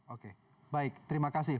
oke baik terima kasih